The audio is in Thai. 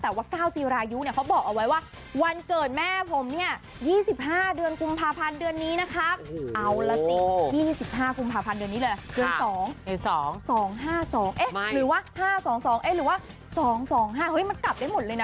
แต่ว่าแก้วจิรายุเค้าบอกวันเกิดแม่ของผม๒๕กุมภลาพันธ์เท่าไหร่